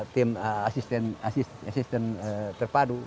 tim asisten terpadu